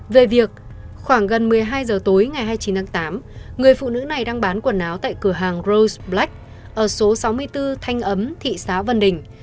về việc khoảng gần một mươi hai giờ tối ngày hai mươi chín tháng tám người phụ nữ này đang bán quần áo tại cửa hàng rose black ở số sáu mươi bốn thanh ấm thị xã vân đình